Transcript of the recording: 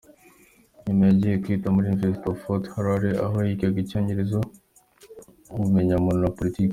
Nyuma yagiye kwiga muri University of Fort Hare aho yigaga icyongereza, ubumenyamuntu na politiki.